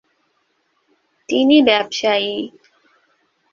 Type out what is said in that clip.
তিনি ব্যবসায়ী।